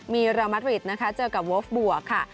มีเรียลมัดริสเจอกับวอร์ฟบวกค่ะ